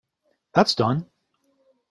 That’s done.